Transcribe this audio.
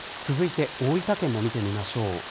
続いて大分県も見てみましょう。